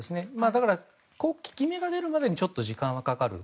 だから効き目が出るまでに時間がかかる。